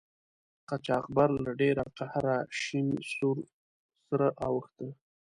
قاچاقبر له ډیره قهره شین سور سره اوښته.